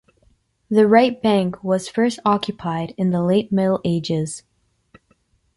The Right Bank was first occupied in the late Middle Ages.